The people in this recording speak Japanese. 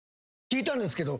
聞いたんですけど。